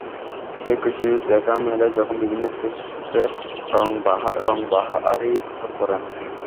সেই কিশোরীর দেখা মেলে যখন বিভিন্ন স্টেজ শোতে রংবাহারি পোশাক পরেন।